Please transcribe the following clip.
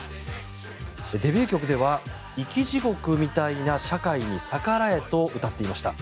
デビュー曲では「生き地獄みたいな社会に逆らえ」と歌っていました。